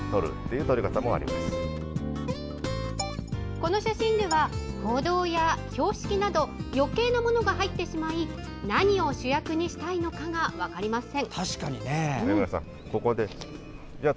この写真では歩道や標識など余計なものが入ってしまい何を主役にしたいのかが分かりません。